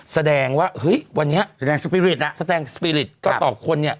แสดงว่าเฮ้ยวันนี้แสดงสปีริตอ่ะแสดงสปีริตก็ต่อคนเนี่ย